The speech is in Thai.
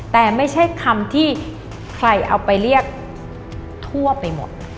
แต่ไม่ใช่คำที่ใครเอาไปเรียกทั่วไปหมด